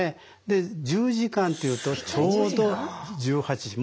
で１０時間というとちょうど１８時。